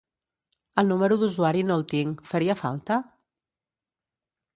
El número d'usuari no el tinc, faria falta?